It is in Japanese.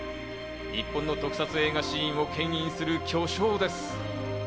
日本の特撮映画シーンを牽引する巨匠です。